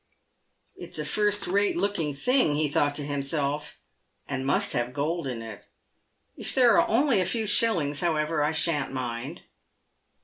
"It's a first rate looking thing," he thought to himself, "and must have gold in it. If there are only a few shillings, however, I shan't mind."